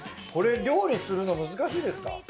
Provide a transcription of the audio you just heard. これ料理するの難しいですか？